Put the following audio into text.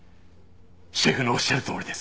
シェフのおっしゃるとおりです。